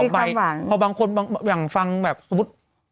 พอบางคนบางอย่างฟังแบบสมมุติ